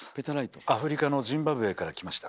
アフリカのジンバブエから来ました。